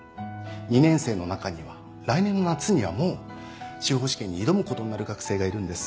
２年生の中には来年の夏にはもう司法試験に挑むことになる学生がいるんです。